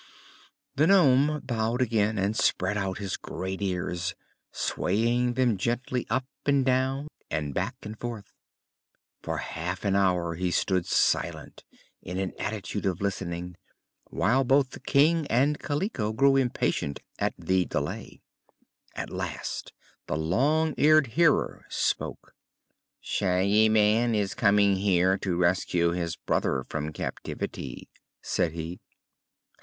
The nome bowed again and spread out his great ears, swaying them gently up and down and back and forth. For half an hour he stood silent, in an attitude of listening, while both the King and Kaliko grew impatient at the delay. At last the Long Eared Hearer spoke: "Shaggy Man is coming here to rescue his brother from captivity," said he.